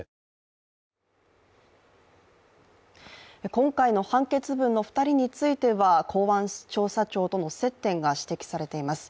今回の判決文の２人については公安調査庁との接点が指摘されています。